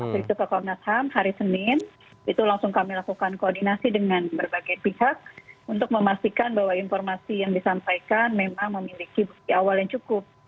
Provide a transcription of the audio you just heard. dari itu ke komnas ham hari senin itu langsung kami lakukan koordinasi dengan berbagai pihak untuk memastikan bahwa informasi yang disampaikan memang memiliki bukti awal yang cukup